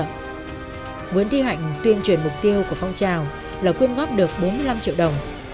nguyễn thi hạnh tuyên truyền mục tiêu của phong trào là quyên góp được bốn mươi năm triệu đồng